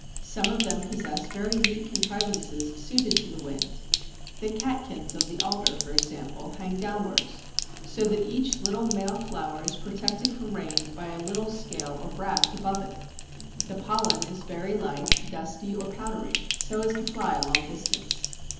Some of them possess very neat contrivances suited to the wind. The catkins of the alder, for example, hang downwards, so that each little male flower is protected from rain by a little scale or bract above it. The pollen is very light, dusty, or powdery, so as to fly a long distance.